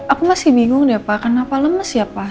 aku masih bingung ya pak kenapa lemes ya pak